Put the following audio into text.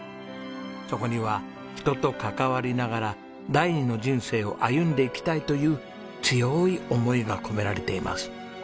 そこには人と関わりながら第二の人生を歩んでいきたいという強い思いが込められています。